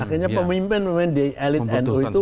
akhirnya pemimpin pemimpin di elit nu itu